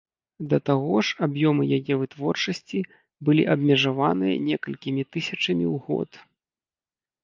Да таго ж аб'ёмы яе вытворчасці былі абмежаваныя некалькімі тысячамі у год.